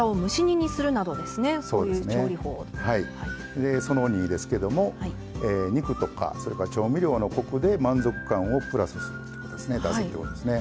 でその２ですけども肉とかそれから調味料のコクで満足感をプラスするってことですね出すってことですね。